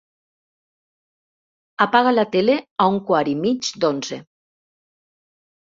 Apaga la tele a un quart i mig d'onze.